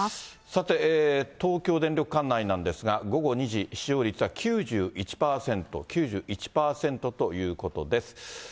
さて、東京電力管内なんですが、午後２時、使用率は９１％、９１％ということです。